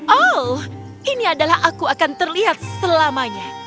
oh ini adalah aku akan terlihat selamanya